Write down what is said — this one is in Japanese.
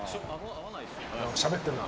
何かしゃべってるな。